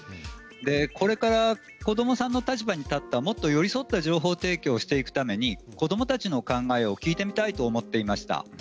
これから子どもさんの立場に立ったもっと寄り添った情報を提供していくために子どもたちの意見を聞いてみたいと思っていました。